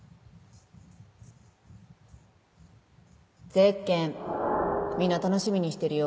ゼッケンみんな楽しみにしてるよ